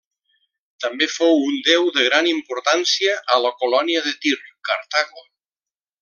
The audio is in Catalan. També fou un déu de gran importància a la colònia de Tir, Cartago.